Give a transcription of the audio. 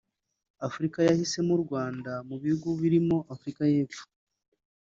Afurika yahisemo u Rwanda mu bihugu birimo Afurika y’Epfo